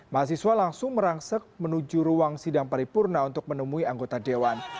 mahasiswa langsung merangsek menuju ruang sidang paripurna untuk menemui anggota dewan